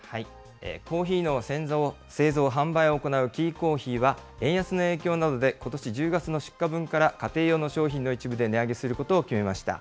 コーヒーの製造・販売を行うキーコーヒーは、円安の影響などで、ことし１０月の出荷分から家庭用の商品の一部で値上げすることを決めました。